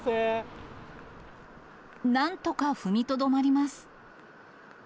なんとか踏みとどまります。